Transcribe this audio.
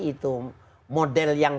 itu model yang